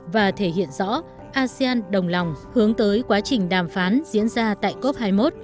và thể hiện rõ asean đồng lòng hướng tới quá trình đàm phán diễn ra tại cop hai mươi một